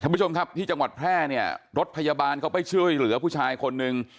ผู้ชมครับที่จังหวัดแพร่เนี่ยรถพยาบาลเขาไปช่วยเหลือผู้ชายคนหนึ่ง